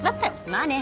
まあね。